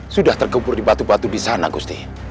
sudah terkebur di batu batu disana gusti